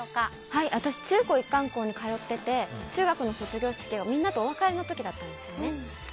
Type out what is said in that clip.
私、中高一貫校に通ってて中学の卒業式はみんなとお別れの時だったんです。